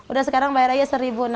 udah sekarang bayar aja seribu